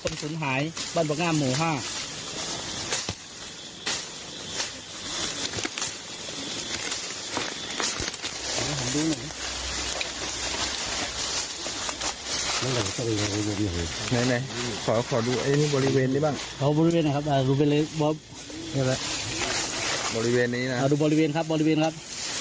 ก็ต้องช่วยกันขุดนะฮะกู้ภัยใช้มีดนะครับ